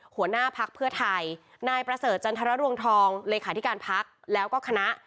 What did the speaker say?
หัวหน้าพักเพื่อไทยนายประเสริฐจันทรรวงทองเลขาธิการพักแล้วก็คณะ